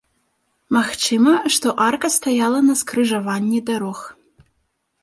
Магчыма, што арка стаяла на скрыжаванні дарог.